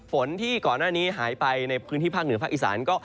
ฝนที่ก่อนหน้านี้หายไปในพื้นที่ภาคเหนือภาคอีสานก็